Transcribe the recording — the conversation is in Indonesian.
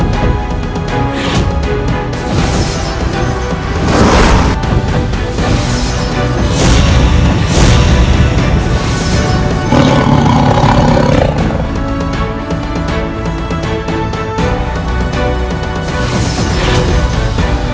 terima kasih bapak